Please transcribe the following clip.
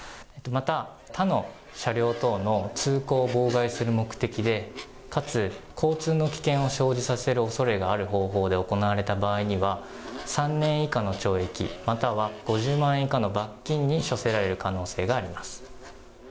また、他の車両等の通行を妨害する目的で、かつ交通の危険を生じさせるおそれがある方法で行われた場合には、３年以下の懲役、または５０万円以下の罰金に処せられる可能性があります。